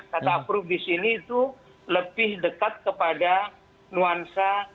kata approve di sini itu lebih dekat kepada nuansa